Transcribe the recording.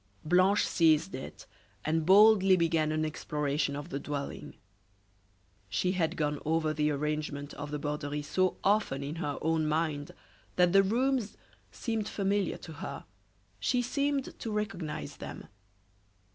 Blanche seized it and boldly began an exploration of the dwelling. She had gone over the arrangement of the Borderie so often in her own mind that the rooms seemed familiar to her, she seemed to recognize them.